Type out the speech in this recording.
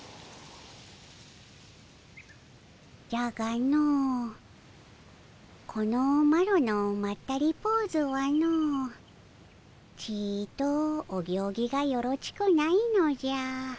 じゃがのこのマロのまったりポーズはのちとお行儀がよろちくないのじゃ。